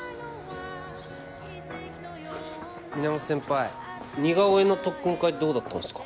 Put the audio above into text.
・源先輩似顔絵の特訓会どうだったんすか？